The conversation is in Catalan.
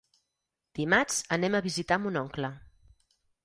Dimarts anem a visitar mon oncle.